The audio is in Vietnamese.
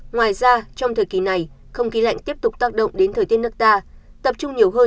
ngoài ra trong thời kỳ này không khí lạnh tiếp tục tác động đến thời tiết nước ta tập trung nhiều hơn